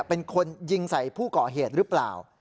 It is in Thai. เป็นคนยิงใส่ผู้ก่อเหตุหรือเปล่า